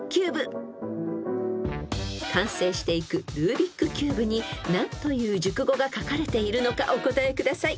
［完成していくルービックキューブに何という熟語が書かれているのかお答えください。